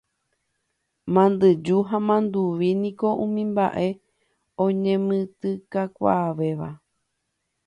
Mandyju ha manduvi niko umi mba'e oñemitỹkakuaavéva.